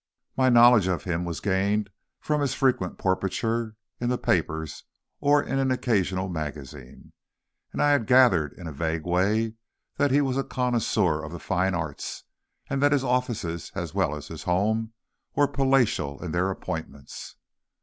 My knowledge of him was gained from his frequent portraiture in the papers or in an occasional magazine. And I had gathered, in a vague way, that he was a connoisseur of the fine arts, and that his offices, as well as his home, were palatial in their appointments.